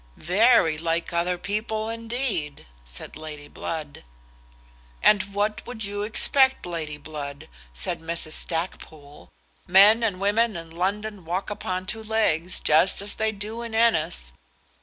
"Very like other people indeed," said Lady Blood. "And what would you expect, Lady Blood?" said Mrs. Stackpoole. "Men and women in London walk upon two legs, just as they do in Ennis."